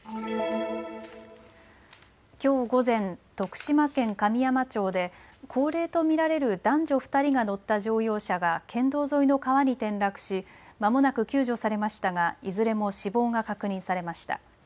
きょう午前、徳島県神山町で高齢と見られる男女２人が乗った乗用車が県道沿いの川に転落し、まもなく救助されましたがいずれも死亡が確認されました。